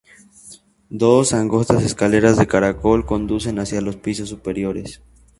Dos angostas escaleras de caracol conducen hacia los pisos superiores.